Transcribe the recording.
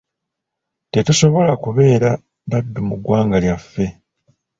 Tetusobola kubeera baddu mu ggwanga lyaffe.